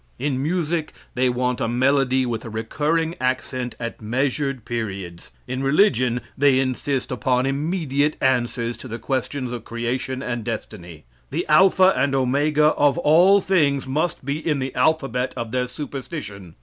In music they want a melody with a recurring accent at measured periods. In religion they insist upon immediate answers to the questions of creation and destiny. The alpha and omega of all things must be in the alphabet of their superstition.